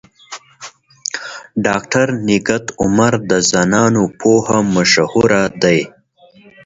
ډاکټر نگهت عمر د زنانو پوهه مشهوره ده.